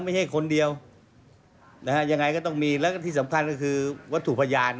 ไม่ใช่คนเดียวนะฮะยังไงก็ต้องมีแล้วก็ที่สำคัญก็คือวัตถุพยาน